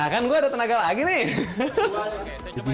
kan gue ada tenaga lagi nih